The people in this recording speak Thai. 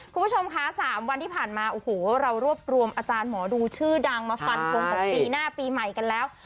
คุณผู้ชมคะ๓วันที่ผ่านมาโอ้โหเรารวบรวมอาจารย์หมอดูชื่อดังมาฟันทงของปีหน้าปีใหม่กันแล้ว